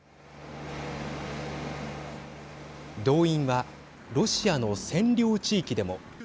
動員はロシアの占領地域でも。